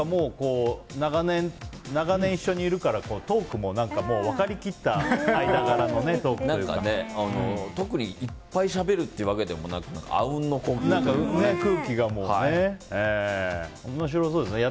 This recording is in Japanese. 長年、一緒にいるからトークも分かり切った間柄の特にいっぱいしゃべるというわけでもなくあうんの呼吸というかね。